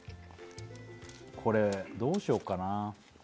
これどうしようかな